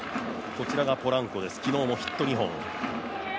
こちらがポランコ、昨日もヒット２本。